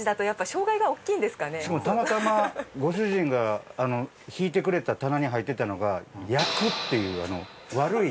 しかもたまたまご主人が引いてくれた棚に入ってたのが「厄」っていう悪い。